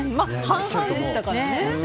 半々でしたからね。